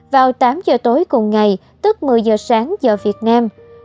vào tám giờ tối cùng ngày tức một mươi giờ sáng giờ việt nam